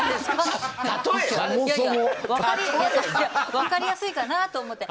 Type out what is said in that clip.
分かりやすいかなと思って。